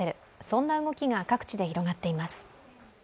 そんな動きが各地で広がっています。